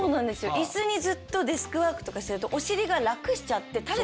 椅子にずっとデスクワークとかしてるとお尻が楽しちゃってそう。